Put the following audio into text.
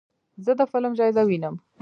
زه د فلم جایزه وینم.